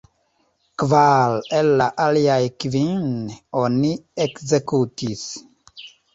Kvar el la aliaj kvin oni ekzekutis.